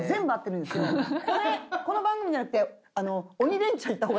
これこの番組じゃなくて。